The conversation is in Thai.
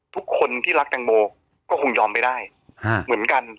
ทุกคนที่รักแตงโมก็คงยอมไม่ได้เหมือนกัน